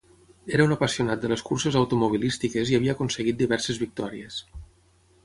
Era un apassionat de les curses automobilístiques i havia aconseguit diverses victòries.